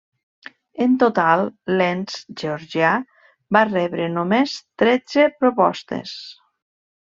En total, l'ens georgià va rebre només tretze propostes.